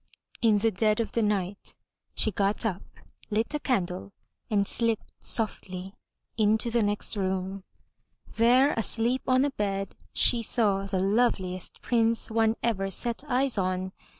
In the dead of night she got up, lit a candle and slipped softly into the 401 MY BOOK HOUSE next room. There asleep on a bed she saw the loveliest Prince one ever set eyes on.